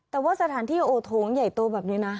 แต่ว่าสถานที่โอทูอย่ายตัวแบบนี้นะ